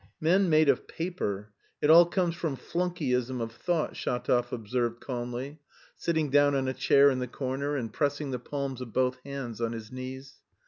"Men made of paper! It all comes from flunkeyism of thought," Shatov observed calmly, sitting down on a chair in the corner, and pressing the palms of both hands on his knees.